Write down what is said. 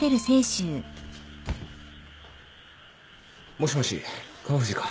もしもし川藤か。